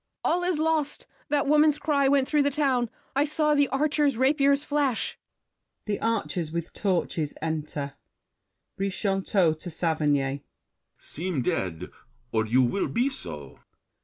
All is lost! That woman's cry went through the town. I saw the archers' rapiers flash. [The Archers with torches enter. BRICHANTEAU (to Saverny). Seem dead, Or you will be so!